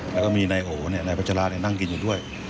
แล้วก็มีนายโหนายพัชรานั่งกินอยู่ด้วย